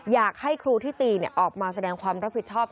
อยากให้ครูที่ตีออกมาแสดงความรับผิดชอบ